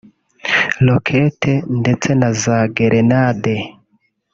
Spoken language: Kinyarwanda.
rokete ndetse na za gerenade